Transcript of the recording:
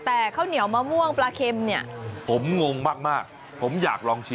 แต่ข้าวเหนียวมะม่วงปลาเค็มเนี่ยผมงงมากผมอยากลองชิม